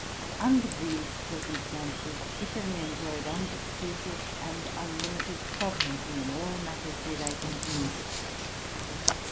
Under these circumstances Italy enjoyed undisputed and unlimited sovereignty in all matters relating to music.